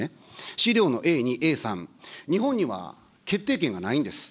資料のＡ２、Ａ３、日本には決定権がないんです。